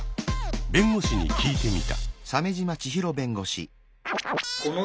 弁護士に聞いてみた。